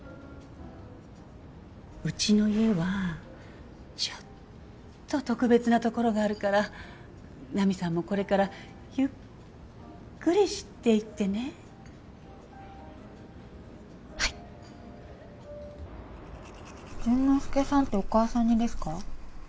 うちの家はちょっと特別なところがあるから奈未さんもこれからゆっくり知っていってねはい潤之介さんってお母さん似ですか？